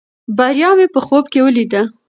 بریا مې په خوب کې ولیده.